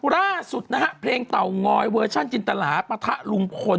ล่าสุดเพลงเผลางอยเวอร์ชันจินตราปฏรุงพล